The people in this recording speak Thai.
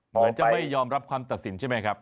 เหมือนจะไม่ยอมรับคำตัดสินใช่ไหมครับ